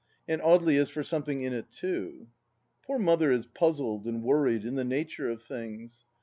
And Audely is for something in it, too, ... Poor Mother is puzzled and worried, in the nature of things.